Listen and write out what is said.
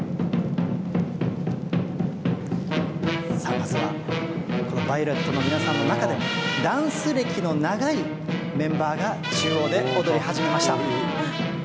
まずは、このＶＩＯＬＥＴの皆さんの中でも、ダンス歴の長いメンバーが中央で踊り始めました。